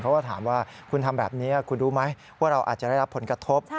เขาก็ถามว่าคุณทำแบบนี้คุณรู้ไหมว่าเราอาจจะได้รับผลกระทบ